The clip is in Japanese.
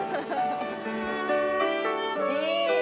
いい。